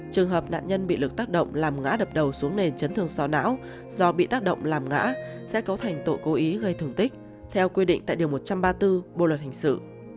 trường hợp nạn nhân bị lực tác động làm ngã đập đầu xuống nền chấn thương sò não do bị tác động làm ngã sẽ cấu thành tội cố ý gây thương tích theo quy định tại điều một trăm ba mươi bốn bộ luật hình sự